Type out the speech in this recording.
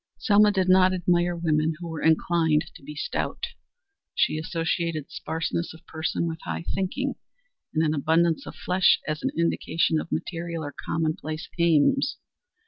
Selma did not admire women who were inclined to be stout. She associated spareness of person with high thinking, and an abundance of flesh as an indication of material or commonplace aims.